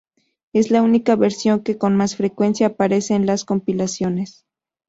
Es la única versión que con más frecuencia aparece en las compilaciones.